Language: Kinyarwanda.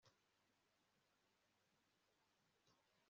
niba ufite ubusitani bwiza, bizamura agaciro k'inzu yawe